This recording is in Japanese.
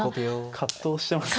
葛藤してますね。